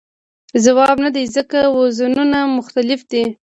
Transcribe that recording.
ځواب نه دی ځکه وزنونه مختلف دي.